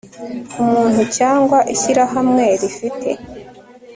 umuntu cyangwa ishyirahamwe rifite